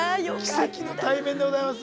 奇跡の対面でございます。